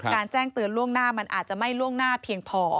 แจ้งเตือนล่วงหน้ามันอาจจะไม่ล่วงหน้าเพียงพอ